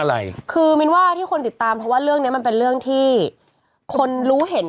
ชีวิตในสมัยที่มันจะเล่าเรื่องอะไร